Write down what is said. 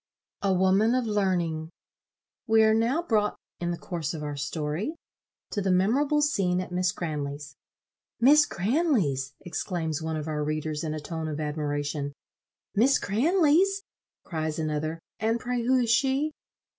A Woman of Learning. We are now brought, in the course of our story, to the memorable scene at Miss Cranley's. "Miss Cranley's!" exclaims one of our readers, in a tone of admiration. "Miss Cranley's!" cries another, "and pray who is she?"